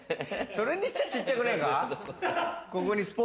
それにしてはちっちゃくないか。